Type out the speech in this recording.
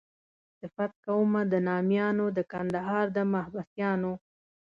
صفت کومه د نامیانو د کندهار د محبسیانو.